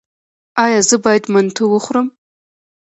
ایا زه باید منتو وخورم؟